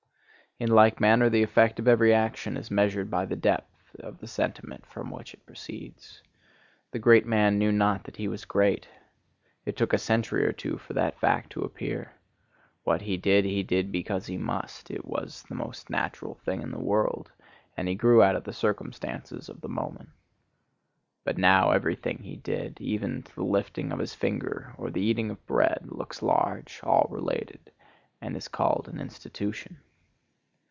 In like manner the effect of every action is measured by the depth of the sentiment from which it proceeds. The great man knew not that he was great. It took a century or two for that fact to appear. What he did, he did because he must; it was the most natural thing in the world, and grew out of the circumstances of the moment. But now, every thing he did, even to the lifting of his finger or the eating of bread, looks large, all related, and is called an institution.